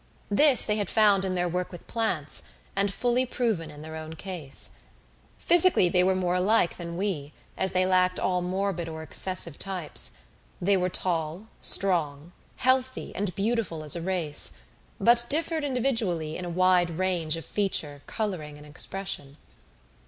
This they had found in their work with plants, and fully proven in their own case. Physically they were more alike than we, as they lacked all morbid or excessive types. They were tall, strong, healthy, and beautiful as a race, but differed individually in a wide range of feature, coloring, and expression.